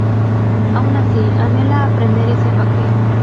Aun así, anhela aprender y ser vaquero.